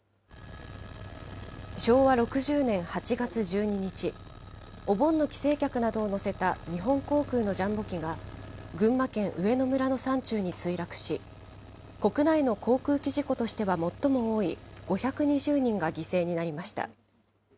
昭和６０年８月１２日、お盆の帰省客などを乗せた日本航空のジャンボ機が、群馬県上野村の山中に墜落し、国内の航空機事故としては最も多い５２０人が犠牲になりました。